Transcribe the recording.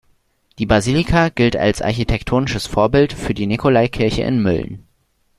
Die Basilika gilt als architektonisches Vorbild für die Nikolaikirche in Mölln.